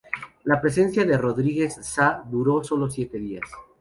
La presidencia de Rodríguez Saa duró sólo siete días.